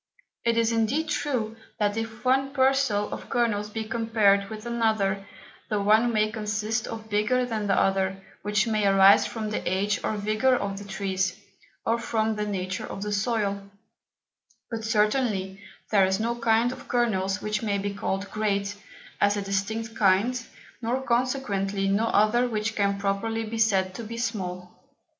It is indeed true, that if one Parcel of Kernels be compared with another, the one may consist of bigger than the other, which may arise from the Age or Vigour of the Trees, or from the Nature of the Soil; but certainly there is no kind of Kernels which may be called Great, as a distinct Kind, nor consequently no other which can properly be said to be Small.